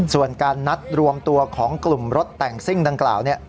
ส่วนการนัดรวมตัวของกลุ่มรถแต่งซิ่งดังกล่าว